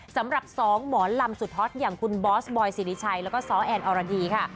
สำหรับ๒หมอลำสุดฮอตอย่างคุณบอสบอยสิริชัยแล้วก็ซ้อแอนอรดีค่ะ